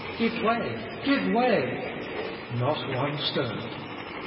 Give way! give way! Not one stirred.